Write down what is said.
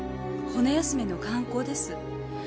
骨休めの観光です。